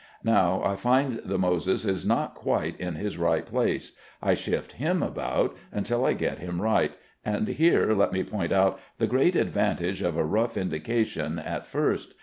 Now I find the Moses is not quite in his right place, I shift him about until I get him right; and here let me point out the great advantage of a rough indication at first.